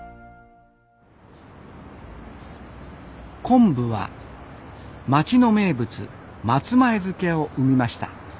昆布は町の名物松前漬を生みました。